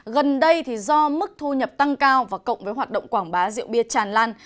gần đây do mức thu nhập tăng cao và cộng với hoạt động quảng bá rượu bia tràn lan